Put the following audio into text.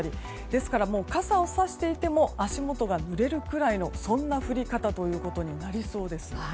ですから、傘をさしていても足元がぬれるくらいのそんな降り方ということになりそうです。